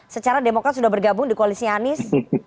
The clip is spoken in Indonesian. secara demokrat sudah bergabung di koalisianis